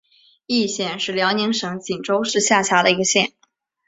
义县是辽宁省锦州市下辖的一个县。